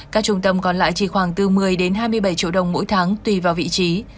các trung tâm còn lại chỉ khoảng bốn mươi hai mươi bảy triệu đồng mỗi tháng tùy vào vị trí